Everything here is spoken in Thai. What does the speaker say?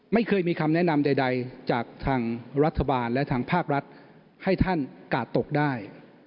ไม่เคยมีคำแนะนำใดจากทางรัฐบาลและทางภาครัฐให้ท่านกาดตกได้